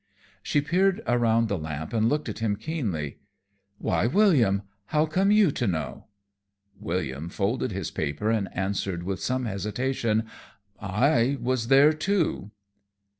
She peered around the lamp and looked at him keenly. "Why, William, how come you to know?" William folded his paper and answered with some hesitation, "I was there, too."